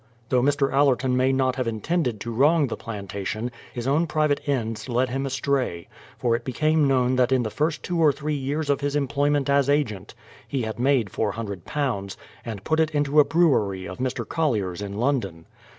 Though Mr. Allerton may not have intended to wrong the plantation, his own private ends led him astray; for it became known that in the first two or three years of his employment as agent, he had made £400, and put it into a brewery of Mr. Collier's in London.